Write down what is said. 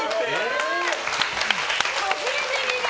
初めて見る。